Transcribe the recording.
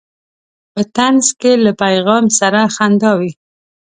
په طنز کې له پیغام سره خندا وي.